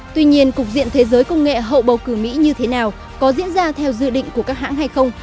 tuy nhiên cục diện thế giới công nghệ hậu bầu cử mỹ như thế nào có diễn ra theo dự định của các hãng hay không